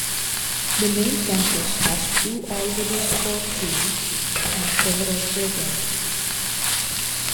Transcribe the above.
The main campus has two all-weather sports fields and several playgrounds.